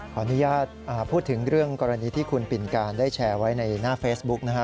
ขออนุญาตพูดถึงเรื่องกรณีที่คุณปิ่นการได้แชร์ไว้ในหน้าเฟซบุ๊กนะฮะ